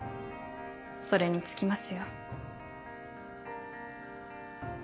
それに尽きますよ。